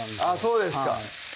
そうですか